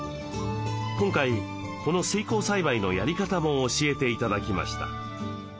今回この水耕栽培のやり方も教えて頂きました。